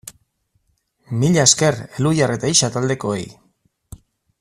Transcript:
Mila esker Elhuyar eta Ixa taldekoei!